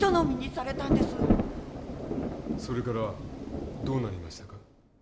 それからどうなりましたか？